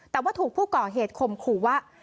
แต่ว่าถูกผู้ก่อเหตุคมขู่ว่า